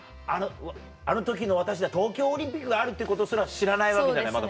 あの時の私は東京オリンピックがあるってことすら知らないわけじゃないまだ